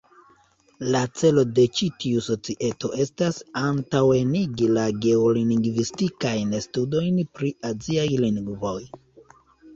La celo de ĉi tiu Societo estas "...antaŭenigi geolingvistikajn studojn pri aziaj lingvoj.